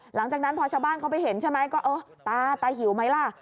หลังจากนั้นพอชาวบ้านเขาไปเห็นใช่ไหมก็เออตาตาหิวไหมล่ะ